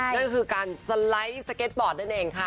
นั่นคือการสไลด์สเก็ตบอร์ดนั่นเองค่ะ